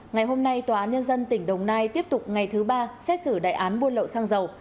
ngày hôm nay tòa án nhân dân tỉnh đồng nai tiếp tục ngày thứ ba xét xử đại án buôn lậu xăng dầu